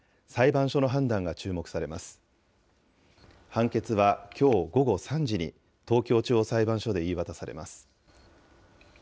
判決はきょう午後３時に東京地方裁判所で言い渡されます。